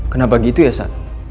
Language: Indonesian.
kenapa gitu ya sa